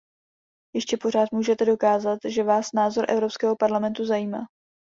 Ještě pořád můžete dokázat, že vás názor Evropského parlamentu zajímá.